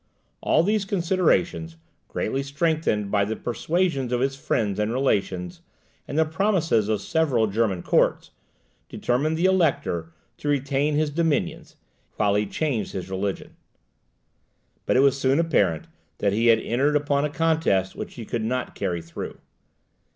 All these considerations, greatly strengthened by the persuasions of his friends and relations, and the promises of several German courts, determined the elector to retain his dominions, while he changed his religion. But it was soon apparent that he had entered upon a contest which he could not carry through.